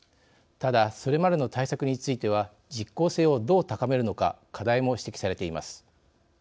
ただ、それまでの対策については実効性をどう高めるのか課題も指摘されています。